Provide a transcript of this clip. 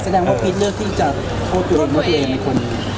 แสดงว่าพี่เลือกที่จะโทษตัวเองมาตัวเองไหมคุณ